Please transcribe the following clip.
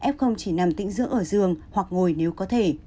f chỉ nằm tĩnh dưỡng ở giường hoặc ngồi nếu có thể